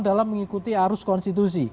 dalam mengikuti arus konstitusi